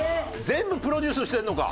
全部プロデュースしてるのか？